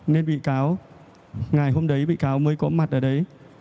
nên bị cáo ngày hôm đấy bị cáo mới có mặt ở đấy